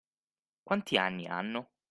Quanti anni hanno?